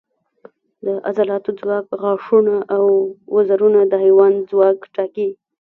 د عضلاتو ځواک، غاښونه او وزرونه د حیوان ځواک ټاکي.